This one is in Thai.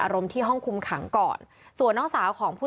อรมที่ห้องคุมขังก่อนส่วนนของผู้